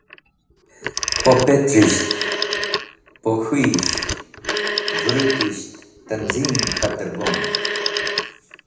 Po petrisht, po k̃hũyisht, vũrũtisht tanzim k̃hater go’n.